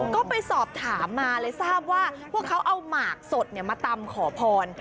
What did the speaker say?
ก็ไปสอบถามมาเลยทราบว่าพวกเขาเอาหมากสดมาตำขอพร